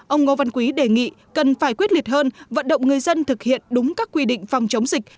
ông ngô văn quý đề nghị cần phải quyết liệt hơn vận động người dân thực hiện đúng các quy định phòng chống dịch